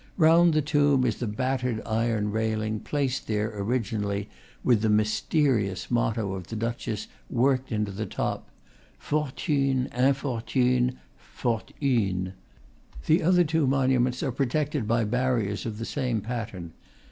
Round the tomb is the battered iron railing placed there originally, with the myste rious motto of the duchess worked into the top, fortune infortune fort une. The other two monuments are protected by barriers of the same pattern.